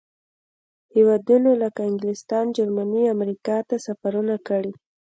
هېوادونو لکه انګلستان، جرمني، امریکا ته سفرونه کړي.